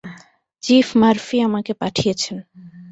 Chief Murphy আমাকে পাঠিয়েছেন।